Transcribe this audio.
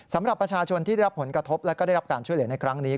สำหรับประชาชนที่ได้รับผลกระทบและก็ได้รับการช่วยเหลือในครั้งนี้